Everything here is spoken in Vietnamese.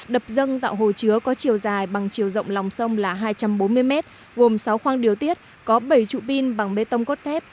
đập dâng tạo hồ chứa có chiều dài bằng chiều rộng lòng sông là hai trăm bốn mươi m gồm sáu khoang điều tiết có bảy trụ pin bằng bê tông cốt thép